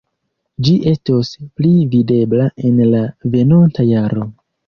Ĝi estos pli videbla en la venonta jaro.